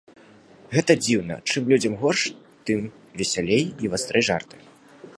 Гэта дзіўна, чым людзям горш, тым весялей і вастрэй жарты.